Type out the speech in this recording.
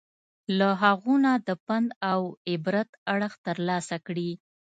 له هغو نه د پند او عبرت اړخ ترلاسه کړي.